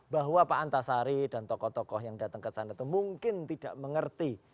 bahwa pak antasari dan tokoh tokoh yang datang ke sana itu mungkin tidak mengerti